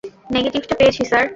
নেগেটিভটা পেয়েছি, স্যার!